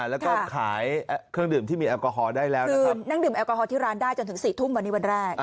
แล้วก็ขายเครื่องดื่มที่มีแอลกอฮอล์ได้แล้ว